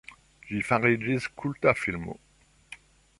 Ĝi fariĝis kulta filmo.